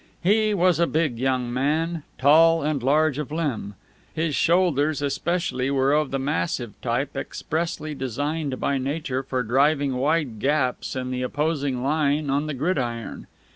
He was a big young man, tall and large of limb. His shoulders especially were of the massive type expressly designed by nature for driving wide gaps in the opposing line on the gridiron.